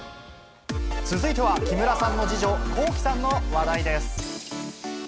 続いては木村さんの次女、Ｋｏｋｉ，さんの話題です。